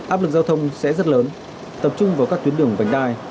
áp lực giao thông sẽ rất lớn tập trung vào các tuyến đường vành đai